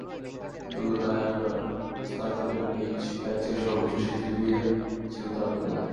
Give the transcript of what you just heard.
শুধু তা-ই নয়, স্নাতকে নিজ ব্যাচের সর্বোচ্চ সিজিপিএ ছিল তাঁর দখলে।